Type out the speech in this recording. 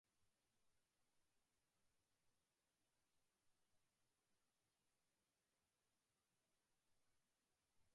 Jeter says that even when Fett appears passive, he conveys "capability and ruthlessness".